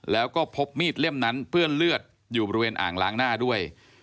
แล้วก็พบมีดเล่มนั้นเปื้อนเลือดอยู่บริเวณอ่างล้างหน้าด้วย